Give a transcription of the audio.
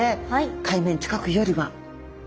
海面近くよりは。